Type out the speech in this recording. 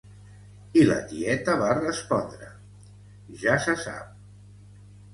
I la tieta va respondre: Ja se sap.